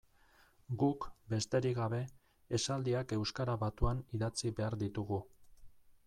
Guk, besterik gabe, esaldiak euskara batuan idatzi behar ditugu.